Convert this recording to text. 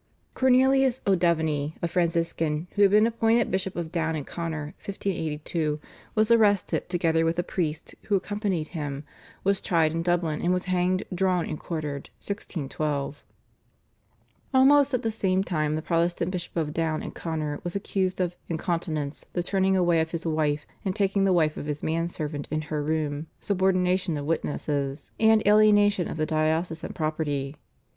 Cornelius O'Devany, a Franciscan, who had been appointed Bishop of Down and Connor (1582), was arrested together with a priest who accompanied him, was tried in Dublin, and was hanged, drawn, and quartered (1612). Almost at the same time the Protestant Bishop of Down and Connor was accused of "incontinence, the turning away of his wife, and taking the wife of his man servant in her room, subornation of witnesses," and alienation of the diocesan property.